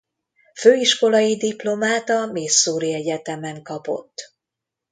Főiskolai diplomát a Missouri Egyetemen kapott.